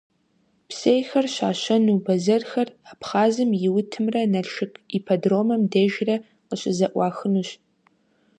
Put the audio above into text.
Псейхэр щащэну бэзэрхэр Абхъазым и утымрэ Налшык ипподромым дежрэ къыщызэӀуахынущ.